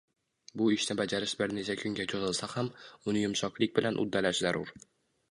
Bu ishni bajarish bir necha kunga cho‘zilsa ham, uni yumshoqlik bilan uddalash zarur.